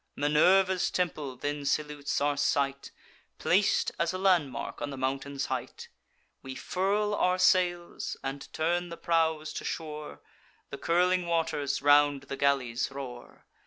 Minerva's temple then salutes our sight, Plac'd, as a landmark, on the mountain's height. We furl our sails, and turn the prows to shore; The curling waters round the galleys roar.